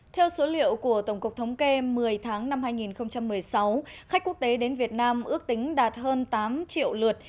theo số liệu của tổng cục thống kê một mươi tháng năm hai nghìn một mươi sáu khách quốc tế đến việt nam ước tính đạt hơn tám triệu lượt